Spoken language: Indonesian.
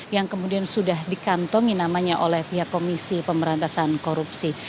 yang kemudian sudah dikantongi namanya oleh pihak komisi pemberantasan korupsi